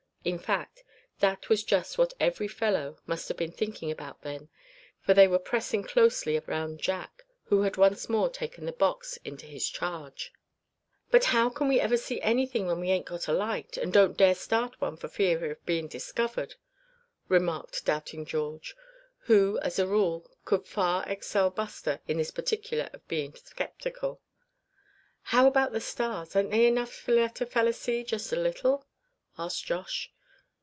In fact, that was just what every fellow must have been thinking about then; for they were pressing closely around Jack, who had once more taken the box into his charge. "But how can we ever see anything when we ain't got a light, and don't dare start one for fear of being discovered?" remarked doubting George, who as a rule could far excel Buster in this particular of being skeptical. "How about the stars; ain't they enough to let a feller see just a little?" asked Josh.